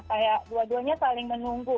kayak dua duanya saling menunggu